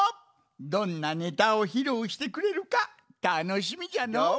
どんなネタをひろうしてくれるかたのしみじゃのう。